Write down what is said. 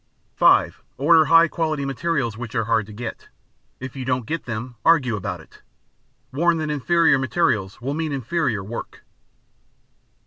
(5) Order high quality materials which are hard to get. If you don't get them argue about it. Warn that inferior materials will mean inferior work.